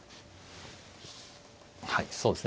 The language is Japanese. はいそうですね。